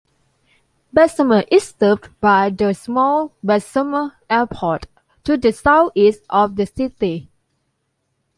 Bessemer is served by the small Bessemer Airport to the southeast of the city.